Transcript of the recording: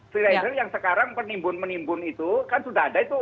free rizer yang sekarang penimbun menimbun itu kan sudah ada itu